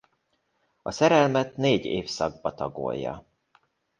A szerelmet négy évszakba tagolja.